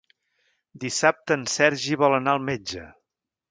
Dissabte en Sergi vol anar al metge.